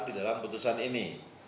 di dalam putusan ini